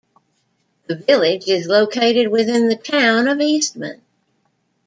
The village is located within the Town of Eastman.